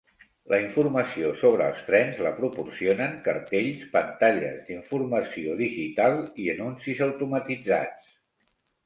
La informació sobre els trens la proporcionen cartells, pantalles d'informació digital i anuncis automatitzats.